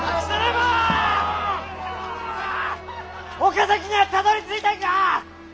岡崎にゃあたどりついたんか！